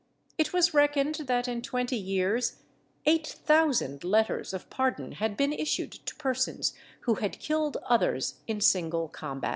It was reckoned that in twenty years eight thousand letters of pardon had been issued to persons who had killed others in single combat.